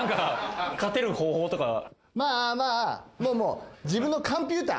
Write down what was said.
まあ、まあ、もうもう、自分のカンピューター。